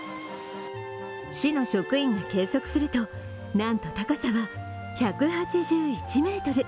市の職員が計測するとなんと高さは１８１ｍ。